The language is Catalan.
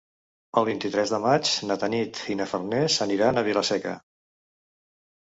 El vint-i-tres de maig na Tanit i na Farners aniran a Vila-seca.